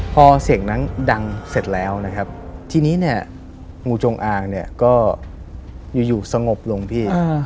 พอเสียงนั้นดังเสร็จแล้วนะครับทีนี้เนี่ยงูจงอางเนี่ยก็อยู่สงบลงพี่